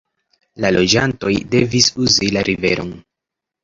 La loĝantoj devis uzi la riveron.